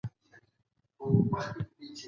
کله به د ټولو خلګو لپاره د کار زمینه برابره سي؟